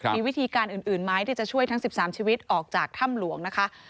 มีวิธีการอื่นไหมที่จะช่วยทั้ง๑๓ชีวิตออกจากถ้ำหลวงนะคะ